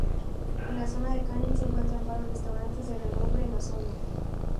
En la zona de Canning se encuentran varios restaurantes de renombre en la zona.